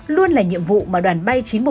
luôn là nhiệm vụ mà đoàn bay chín trăm một mươi